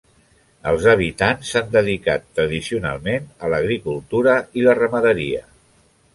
Els habitants s'han dedicat tradicionalment a l'agricultura i la ramaderia.